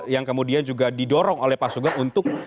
yang kemudian juga didorong oleh pak sugeng untuk